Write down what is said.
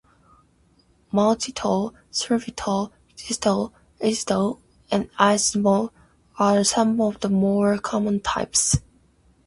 Maltitol, sorbitol, xylitol, erythritol, and isomalt are some of the more common types.